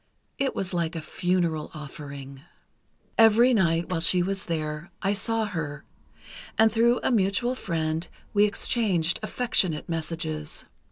It was like a funeral offering. "Every night while she was there, I saw her, and through a mutual friend we exchanged affectionate messages.